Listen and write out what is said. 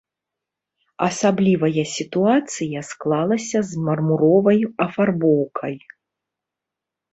Асаблівая сітуацыя склалася з мармуровай афарбоўкай.